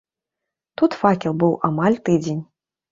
Тут факел быў амаль тыдзень.